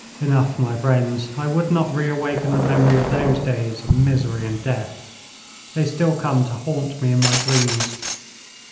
Enough, my friends; I would not re awaken the memory of those days of misery and death. They still come to haunt me in my dreams.